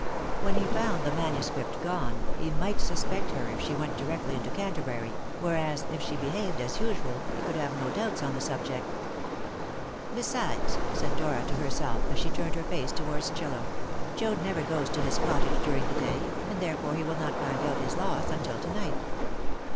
When he found the manuscript gone, he might suspect her if she went directly into Canterbury, whereas, if she behaved as usual, he could have no doubts on the subject. "Besides," said Dora to herself, as she turned her face towards Chillum, "Joad never goes to his cottage during the day, and therefore he will not find out his loss until to night.